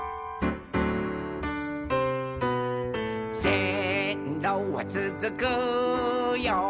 「せんろはつづくよ